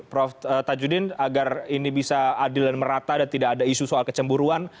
prof tajudin agar ini bisa adil dan merata dan tidak ada isu soal kecemburuan